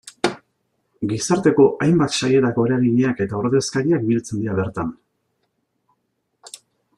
Gizarteko hainbat sailetako eragileak eta ordezkariak biltzen dira bertan.